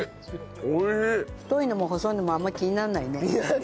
太いのも細いのもあんまり気にならないね。